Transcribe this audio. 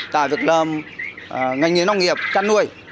tại việc làm ngành nghề nông nghiệp chăn nuôi